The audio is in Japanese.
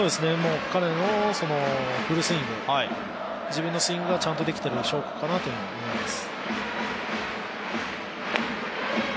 彼のフルスイング、自分のスイングがちゃんとできている証拠かなと思います。